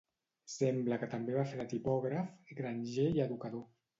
Sembla que també va fer de tipògraf, granger i educador.